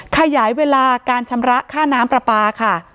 ขยายเวลาการชำระค่าน้ำปลาปลาค่ะ